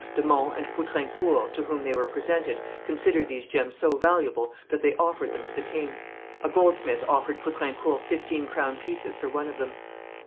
De Monts and Poutrincourt, to whom they were presented, considered these gems so valuable that they offered them to the king. A goldsmith offered Poutrincourt fifteen crown pieces for one of them.